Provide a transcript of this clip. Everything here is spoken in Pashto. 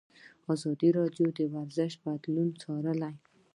ازادي راډیو د ورزش بدلونونه څارلي.